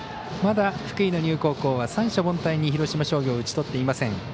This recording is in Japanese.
まだ、福井の丹生高校は三者凡退を広島商業を打ち取っていません。